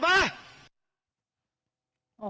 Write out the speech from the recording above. ไหนไหน